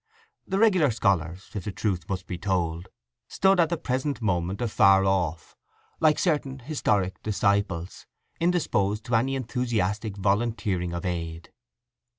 The regular scholars, if the truth must be told, stood at the present moment afar off, like certain historic disciples, indisposed to any enthusiastic volunteering of aid.